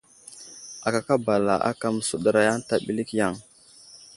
Agaka bala ákà məsuɗəraya ənta ɓəlik yaŋ.